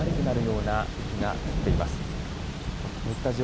視界が悪くなるような雪が降っています。